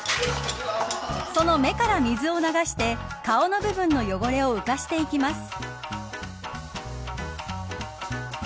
その目から水を流して顔の部分の汚れを浮かしていきます。